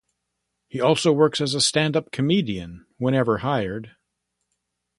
He also works as a standup comedian whenever hired.